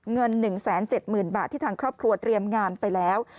เงิน๑๗๐๐๐บาทที่ทางครอบครัวเตรียมงานไปแล้ว